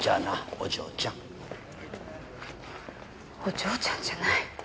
お嬢ちゃんじゃない。